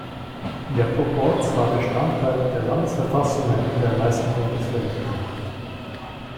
Der Proporz war Bestandteil der Landesverfassungen der meisten Bundesländer.